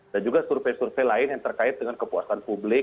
dan juga survei survei lain yang terkait dengan kepuasan publik